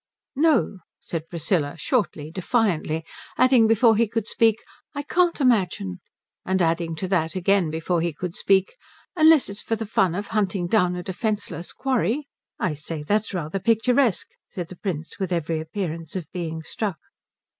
"No," said Priscilla, shortly, defiantly; adding before he could speak, "I can't imagine." And adding to that, again before he could speak, "Unless it's for the fun of hunting down a defenceless quarry." "I say, that's rather picturesque," said the Prince with every appearance of being struck.